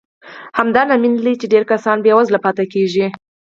همدا لامل دی چې ډېر کسان بېوزله پاتې کېږي.